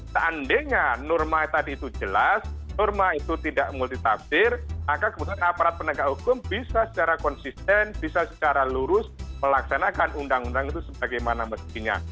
seandainya norma tadi itu jelas norma itu tidak multitafsir maka kemudian aparat penegak hukum bisa secara konsisten bisa secara lurus melaksanakan undang undang itu sebagaimana mestinya